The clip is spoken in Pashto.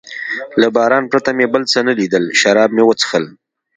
له باران پرته مې بل څه نه لیدل، شراب مې و څښل.